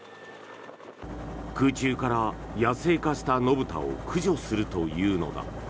空中から野生化した野豚を駆除するというのだ。